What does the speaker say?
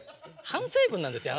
反省文なんですよ